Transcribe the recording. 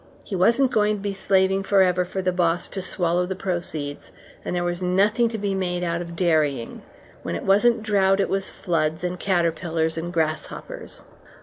He wasn't going to be slaving for ever for the boss to swallow the proceeds, and there was nothing to be made out of dairying. When it wasn't drought it was floods and caterpillars and grasshoppers.